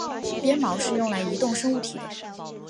鞭毛是用来移动生物体的。